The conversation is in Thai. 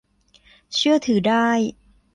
เชื่อถือได้